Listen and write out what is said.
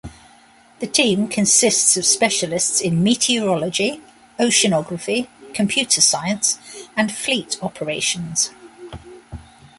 The team consists of specialists in meteorology, oceanography, computer science, and Fleet operations.